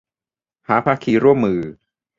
หาภาคีมาร่วมมือ